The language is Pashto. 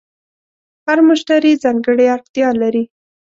هر مشتری ځانګړې اړتیا لري.